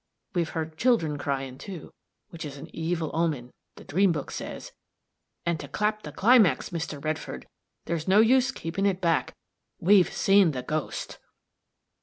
We've heard children cryin', too, which is an evil omen, the dream book says; an' to clap the climax, Mr. Redfield, there's no use keepin' it back we've seen the ghost!"